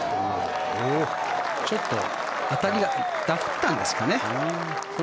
ちょっと当たりがダフったんですかね。